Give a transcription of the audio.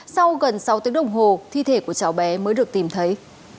sau gần sáu tiếng đồng hồ thi thể của cháu bé mới được tìm thấy